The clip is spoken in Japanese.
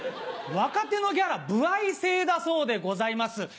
若手のギャラ歩合制だそうでございます。